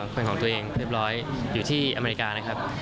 เป็นของตัวเองเรียบร้อยอยู่ที่อเมริกานะครับ